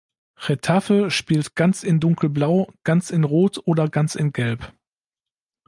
Getafe spielt ganz in Dunkelblau, ganz in Rot oder ganz in Gelb.